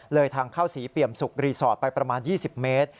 ทางเข้าศรีเปี่ยมสุกรีสอร์ทไปประมาณ๒๐เมตร